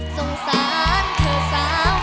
สงสารเธอเซ้า